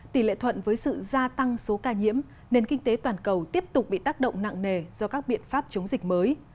tỷ lệ thuận với sự gia tăng số ca nhiễm nền kinh tế toàn cầu tiếp tục bị tác động nặng nề do các biện pháp chống dịch mới